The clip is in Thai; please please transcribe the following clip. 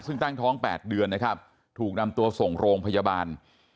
ซึ่งตั้งท้อง๘เดือนนะครับถูกนำตัวส่งโรงพยาบาล